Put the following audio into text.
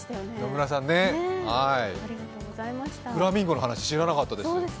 フラミンゴの話、知らなかったです